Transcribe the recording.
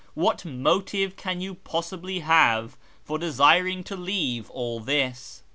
What motive can you possibly have for desiring to leave all this ?